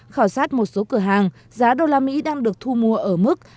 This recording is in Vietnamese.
khảo sát một số cửa hàng giá usd đang được thu mua ở mức